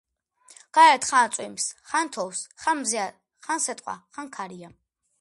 გარეთ ხან წვიმს ხან თოვს ხან მზეა ხან სეტყვა ხან ქარია